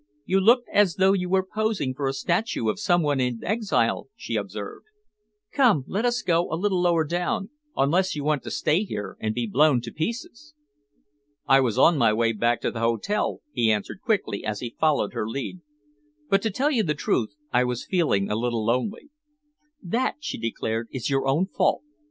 "You looked as though you were posing for a statue of some one in exile," she observed. "Come, let us go a little lower down unless you want to stay here and be blown to pieces." "I was on my way back to the hotel," he answered quickly, as he followed her lead, "but to tell you the truth I was feeling a little lonely." "That," she declared, "is your own fault.